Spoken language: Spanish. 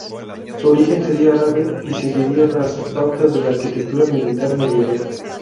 Su origen sería árabe y seguiría las pautas de la arquitectura militar medieval.